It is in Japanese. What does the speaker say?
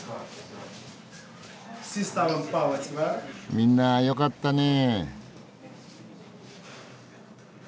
みんなよかったねえ。